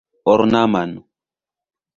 ornaman